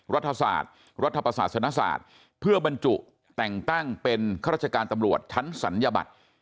รัฐศาสตร์รัฐประศาสนศาสตร์เพื่อบรรจุแต่งตั้งเป็นข้าราชการตำรวจชั้นศัลยบัตร